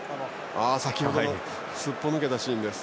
先程のすっぽ抜けたシーンです。